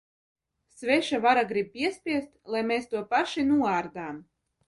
Sveša vara grib piespiest, lai mēs to paši noārdām.